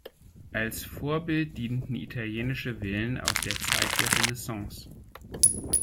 Als Vorbild dienten italienische Villen aus der Zeit der Renaissance.